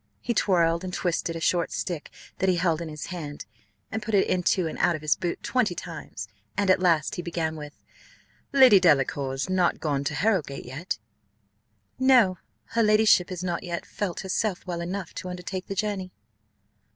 He twirled and twisted a short stick that he held in his hand, and put it into and out of his boot twenty times, and at last he began with "Lady Delacour's not gone to Harrowgate yet?" "No: her ladyship has not yet felt herself well enough to undertake the journey."